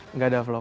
enggak ada vlog